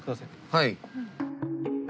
はい。